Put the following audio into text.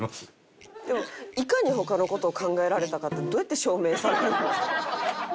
でもいかに他の事を考えられたかってどうやって証明されるんです？